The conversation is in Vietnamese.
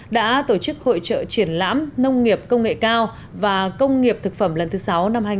đã tổ chức hội trợ triển lãm nông nghiệp công nghệ cao và công nghiệp thực phẩm lần thứ sáu năm hai nghìn hai mươi